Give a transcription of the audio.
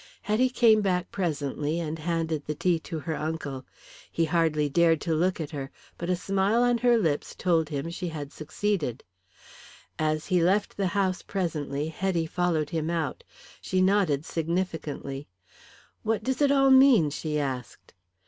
Hetty came back presently, and handed the tea to her uncle. He hardly dared to look at her, but a smile on her lips told him she had succeeded. As he left the house presently Hetty followed him out. She nodded significantly. "What does it all mean?" she asked.